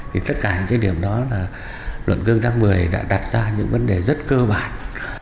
thì tất cả những cái điểm đó là luận cương tháng một mươi đã đặt ra những vấn đề rất cơ bản